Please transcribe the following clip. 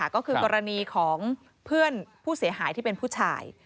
ก็คือกรณีของเพื่อนผู้เสียหายที่เป็นผู้ชาย